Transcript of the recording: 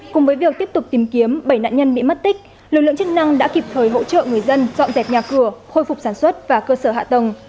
cùng với việc tiếp tục tìm kiếm bảy nạn nhân bị mất tích lực lượng chức năng đã kịp thời hỗ trợ người dân dọn dẹp nhà cửa khôi phục sản xuất và cơ sở hạ tầng